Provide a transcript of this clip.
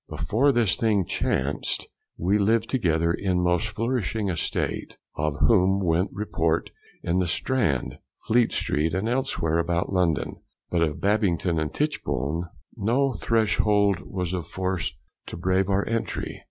Before this thing chanced, we lived together in most flourishing estate; of whom went report in the Strand, Fleet street, and elsewhere about London, but of Babington and Titchbone? No threshold was of force to brave our entry.